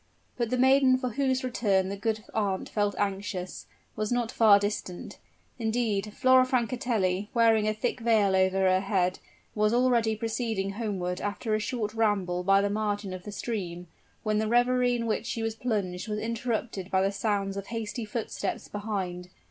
But the maiden for whose return the good aunt felt anxious, was not far distant; indeed Flora Francatelli, wearing a thick veil over her head, was already proceeding homeward after a short ramble by the margin of the stream, when the reverie in which she was plunged was interrupted by the sounds of hasty footsteps behind.